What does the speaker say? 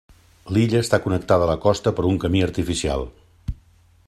L'illa està connectada a la costa per un camí artificial.